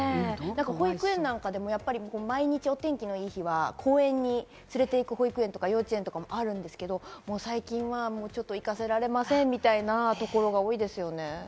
保育園なんかでも毎日、お天気の良い日は公園に連れて行く、保育園とか幼稚園もあるんですけど、最近は行かせられませんみたいなところが多いですよね。